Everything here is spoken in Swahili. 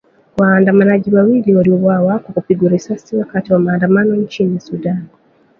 Waandamanaji wawili waliuawa kwa kupigwa risasi wakati wa maandamano nchini Sudan.